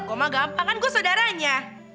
kok mah gampang kan gue saudaranya